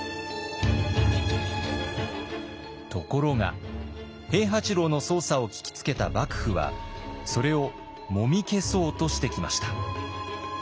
ところが平八郎の捜査を聞きつけた幕府はそれをもみ消そうとしてきました。